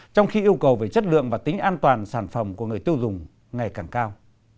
trong khi yêu cầu về chất lượng và tính an toàn sản phẩm của người tiêu dùng ngày càng cao